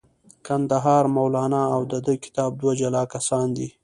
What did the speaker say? کندهاری مولانا او د دې کتاب دوه جلا کسان دي.